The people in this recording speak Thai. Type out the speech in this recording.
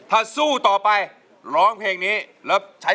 ถ้าสู้ต่อไปร้องเพลงนี้